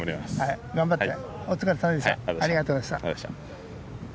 頑張って。